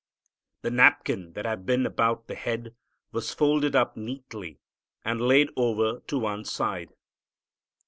The napkin that had been about the head was folded up neatly and laid over to one side.